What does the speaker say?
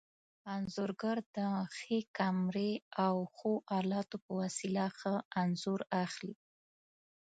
انځورګر د ښې کمرې او ښو الاتو په وسیله ښه انځور اخلي.